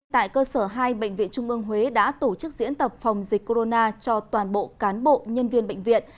tại cơ sở hai bệnh viện trung ương huế đã tổ chức diễn tập phòng dịch corona cho toàn bộ cán bộ nhân viên bệnh viện